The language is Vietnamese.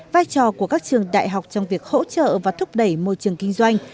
vai trò của các trường đại học trong việc hỗ trợ và thúc đẩy môi trường kinh doanh